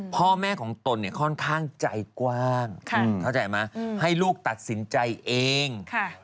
พ่อแม่ของตนเนี่ยค่อนข้างใจกว้างเข้าใจไหมให้ลูกตัดสินใจเอง